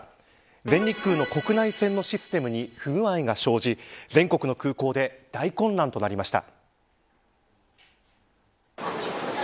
全日空の国内線のシステムに不具合が生じ全国の空港で大混乱となりました。